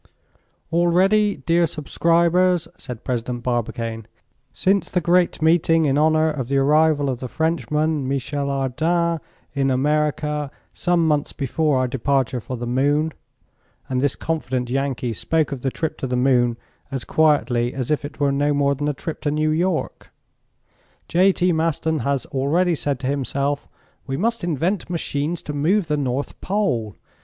"Already, dear subscribers," said President Barbicane, "since the great meeting in honor of the arrival of the Frenchman, Michel Ardan, in America, some months before our departure for the moon" (and this confident Yankee spoke of the trip to the moon as quietly as if it were no more than a trip to New York), "J T. Maston had already said to himself: 'We must invent machines to move the North Pole.